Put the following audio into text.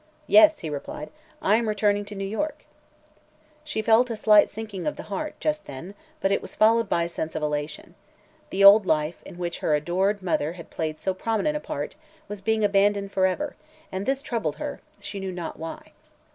"Yes," he replied; "I am returning to New York." She felt a slight sinking of the heart, just then, but it was followed by a sense of elation. The old life, in which her adored mother had played so prominent a part, was being abandoned forever, and this troubled her, she knew not why.